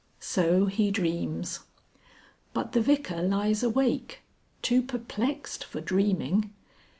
So he dreams. But the Vicar lies awake, too perplexed for dreaming.